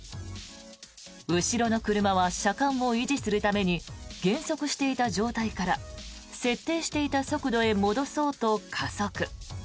後ろの車は車間を維持するために減速していた状態から設定していた速度へ戻そうと加速。